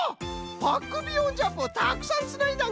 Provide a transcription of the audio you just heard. パックビヨンジャンプをたくさんつないだんか！